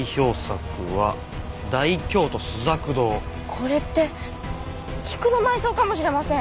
これって『菊の埋葬』かもしれません。